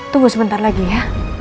tunggu sebentar lagi ya